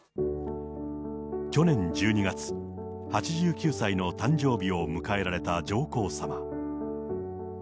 去年１２月、８９歳の誕生日を迎えられた上皇さま。